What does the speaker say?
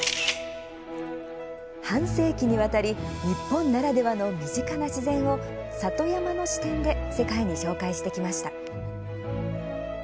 半世紀にわたり、日本ならではの身近な自然を里山の視点で世界に紹介してきました。